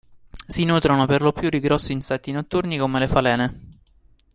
Si nutrono perlopiù di grossi insetti notturni, come le falene.